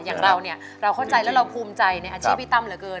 อย่างเราเนี่ยเราเข้าใจแล้วเราภูมิใจในอาชีพพี่ตั้มเหลือเกิน